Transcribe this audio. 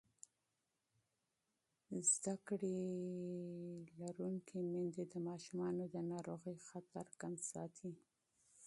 تعلیم لرونکې میندې د ماشومانو د ناروغۍ خطر کم ساتي.